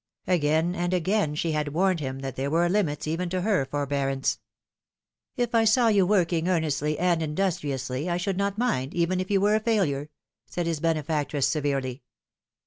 Again and again she had warned him that there were limits even to her forbearance " If I saw you working earnestly and industriously, I should not mind, even if you were a failure," said his benefactress severely.